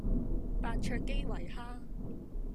白灼基圍蝦